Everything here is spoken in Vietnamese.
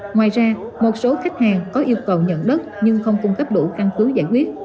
ngoài ra một số khách hàng có yêu cầu nhận đất nhưng không cung cấp đủ căn cứ giải quyết